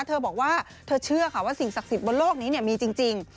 เธอบอกว่าเธอเชื่อค่ะว่าสิ่งศักดิ์สิทธิ์บนโลกนี้มีจริง